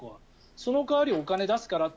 その代わりお金を出すからと。